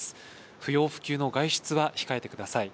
不要不急の外出は控えてください。